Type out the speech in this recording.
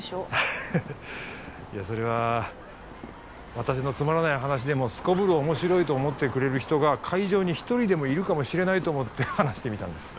ハッハハいやそれは私のつまらない話でもすこぶる面白いと思ってくれる人が会場に一人でもいるかもしれないと思って話してみたんです